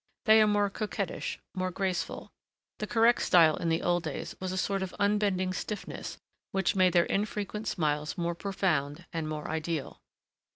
They are more coquettish, more graceful. The correct style in the old days was a sort of unbending stiffness which made their infrequent smiles more profound and more ideal.